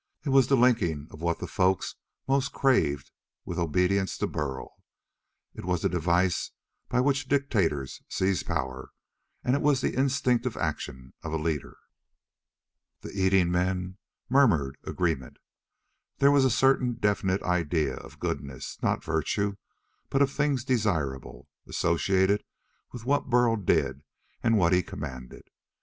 It was the linking of what the folk most craved with obedience to Burl. It was the device by which dictators seize power, and it was the instinctive action of a leader. The eating men murmured agreement. There was a certain definite idea of goodness not virtue, but of things desirable associated with what Burl did and what he commanded.